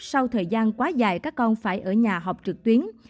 sau thời gian quá dài các con phải ở nhà học trực tuyến